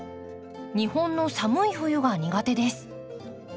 日本の寒い冬が苦手です。